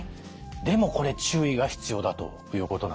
でもこれ注意が必要だということなんですね。